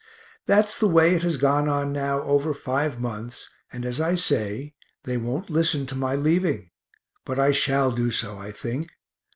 That's the way it has gone on now over five months, and as I say, they won't listen to my leaving but I shall do so, I think.